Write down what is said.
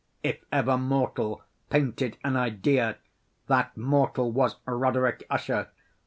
If ever mortal painted an idea, that mortal was Roderick Usher.